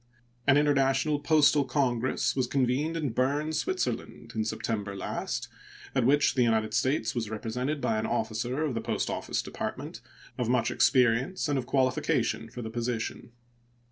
An international postal congress was convened in Berne, Switzerland, in September last, at which the United States was represented by an officer of the Post Office Department of much experience and of qualification for the position.